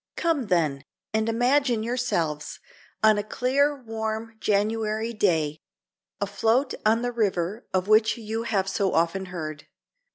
Come, then, and imagine yourselves, on a clear warm January day, afloat on the river of which you have so often heard.